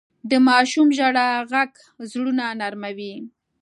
د ماشوم ژړا ږغ زړونه نرموي.